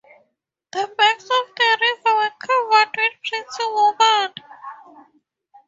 The banks of the river were covered with pretty women.